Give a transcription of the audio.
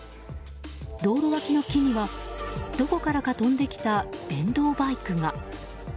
道路脇の木にはどこからか飛んできた電動バイクが。